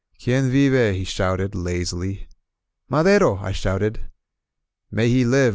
"Quien vive?" he shouted, lazily. "Madero!" I shouted. ^^ay he live